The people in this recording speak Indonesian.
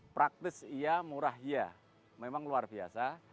praktis iya murah iya memang luar biasa